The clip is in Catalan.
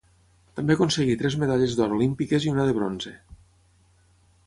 També aconseguí tres medalles d'or olímpiques i una de bronze.